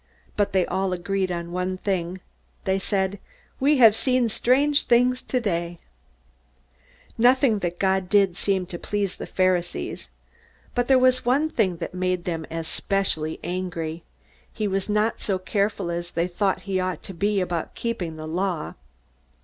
But they all agreed on one thing. They said, "We have seen strange things today!" Nothing that Jesus did seemed to please the Pharisees. But there was one thing that made them especially angry. He was not so careful as they thought he ought to be about keeping the Law.